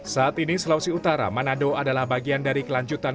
saat ini sulawesi utara manado adalah bagian dari kelanjutan